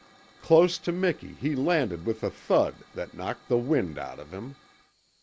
Close to Miki he landed with a thud that knocked the wind out of him.